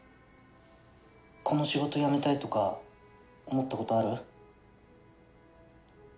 この仕事辞めたいとか思ったことある？